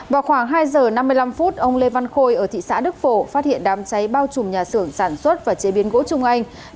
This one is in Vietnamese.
vào khoảng hai giờ năm mươi năm phút ông lê văn khôi ở thị xã đức phổ phát hiện đám cháy bao trùm nhà xưởng sản xuất và chế biến gỗ trung anh